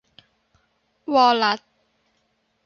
วอลลัส